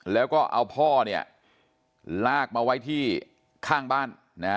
แล้วก็เอาพ่อลากมาไว้ที่ข้างบ้าน